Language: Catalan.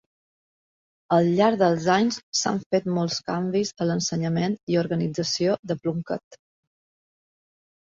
Al llarg dels anys s'han fet molts canvis a l'ensenyament i organització de Plunket.